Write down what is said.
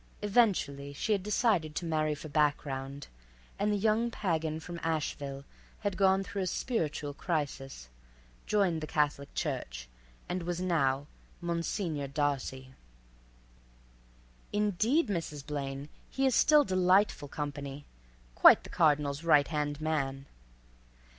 Eventually she had decided to marry for background, and the young pagan from Asheville had gone through a spiritual crisis, joined the Catholic Church, and was now—Monsignor Darcy. "Indeed, Mrs. Blaine, he is still delightful company—quite the cardinal's right hand man."